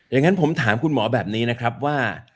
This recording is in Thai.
อย่างนั้นผมถามคุณหมอแบบนี้นะครับว่า